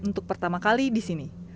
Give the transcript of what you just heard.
untuk pertama kali di sini